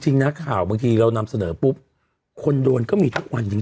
จริงนะข่าวบางทีเรานำเสนอปุ๊บคนโดนก็มีทุกวันจริง